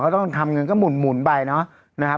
เขาต้องทำก็หมุนไปน่ะ